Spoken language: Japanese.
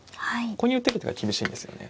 ここに打てる手が厳しいんですよね。